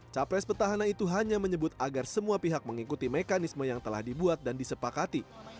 capres petahana itu hanya menyebut agar semua pihak mengikuti mekanisme yang telah dibuat dan disepakati